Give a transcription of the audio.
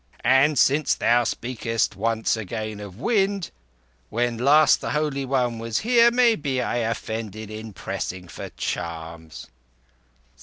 And since thou speakest once again of wind, when last the Holy One was here, maybe I offended in pressing for charms."